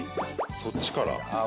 そっちから。